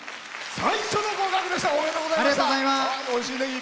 最初の合格でした！